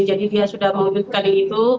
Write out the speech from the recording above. jadi dia sudah mengunjukkan itu